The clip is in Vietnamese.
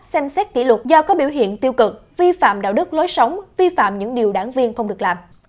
xem xét kỷ luật do có biểu hiện tiêu cực vi phạm đạo đức lối sống vi phạm những điều đảng viên không được làm